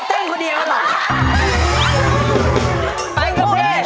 ไปกับพี่